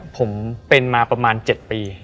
ผมเป็นมาประมาณ๗ปี